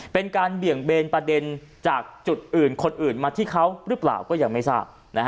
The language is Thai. เบี่ยงเบนประเด็นจากจุดอื่นคนอื่นมาที่เขาหรือเปล่าก็ยังไม่ทราบ